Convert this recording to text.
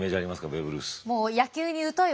ベーブ・ルース。